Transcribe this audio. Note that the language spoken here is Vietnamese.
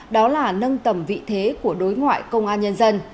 đó là nâng tầm vị thế của đối ngoại công an nhân dân